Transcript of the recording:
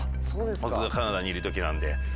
僕がカナダにいる時なんで。